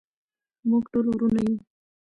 موږ ټول ورونه یو.